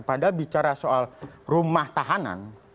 padahal bicara soal rumah tahanan